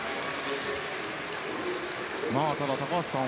ただ、高橋さん